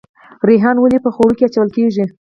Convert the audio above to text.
ریحان ولې په خوړو کې اچول کیږي؟